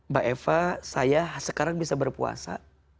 mbak eva saya sekarang bisa berpuasa